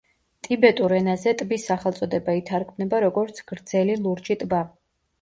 ტიბეტურ ენაზე ტბის სახელწოდება ითარგმნება როგორც „გრძელი ლურჯი ტბა“.